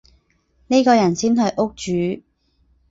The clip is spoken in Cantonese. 呢個人先係屋主